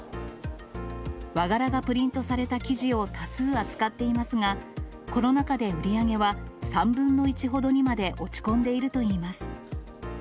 和柄がプリントされた生地を多数扱っていますが、コロナ禍で売り上げは３分の１ほどにまで落ち込んでいるといいます。